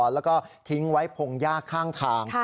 แล้วก็ทิ้งไว้พงยากข้างทาง